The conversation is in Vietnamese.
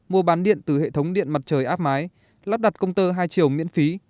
mua bán điện từ hệ thống điện mặt trời áp mái lắp đặt công tơ hai triệu miễn phí